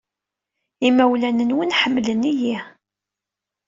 Imawlan-nwen ḥemmlen-iyi.